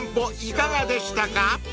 いかがでしたか？］